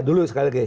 dulu sekali lagi